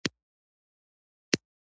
لوگر د افغانستان د طبیعت د ښکلا برخه ده.